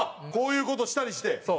こういう事したりして？